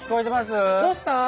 どうした？